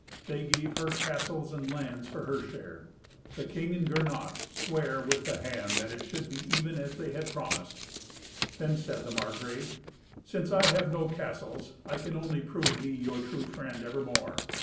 They gave her castles and lands for her share. The king and Gernot sware with the hand that it should be even as they had promised. Then said the Margrave, "Since I have no castles, I can only prove me your true friend evermore.